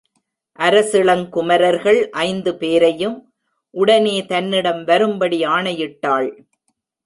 அரசிளங்குமரர்கள் ஐந்து பேரையும் உடனே தன்னிடம் வரும்படி ஆணையிட்டாள்.